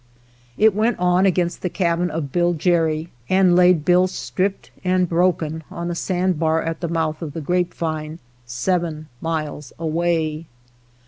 It went on against the cabin of Bill Gerry and laid Bill stripped and broken on a sand bar at the mouth of the Grape vine, seven miles away.